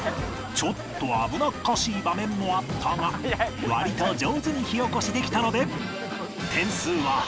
ちょっと危なっかしい場面もあったが割と上手に火おこしできたので